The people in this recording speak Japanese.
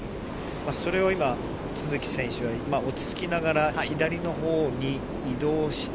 それを今、都筑選手は落ち着きながら左のほうに移動して、